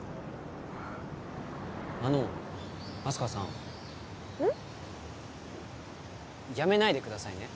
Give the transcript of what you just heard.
あのあす花さんうん？やめないでくださいね